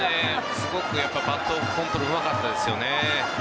すごくバットコントロールうまかったですよね。